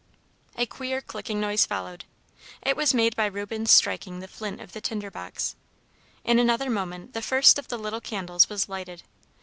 A queer clicking noise followed. It was made by Reuben's striking the flint of the tinder box. In another moment the first of the little candles was lighted.